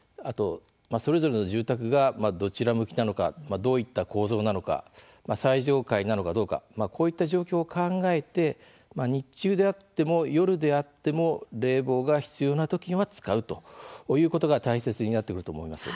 それぞれの住宅がどちら向きなのかどういった構造なのか最上階なのかどうかこういった状況を考えて日中であっても夜であっても冷房が必要なときには使うということが大切になってくると思います。